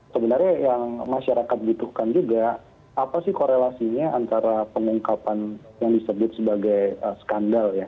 sebenarnya yang masyarakat butuhkan juga apa sih korelasinya antara pengungkapan yang disebut sebagai skandal ya